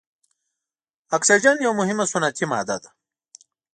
اکسیجن یوه مهمه صنعتي ماده ده.